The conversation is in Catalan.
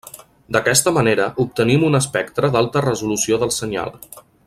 D'aquesta manera obtenim un espectre d'alta resolució del senyal.